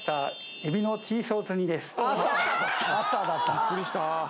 びっくりした。